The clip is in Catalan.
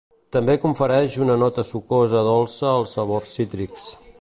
També confereix una nota sucosa dolça als sabors cítrics.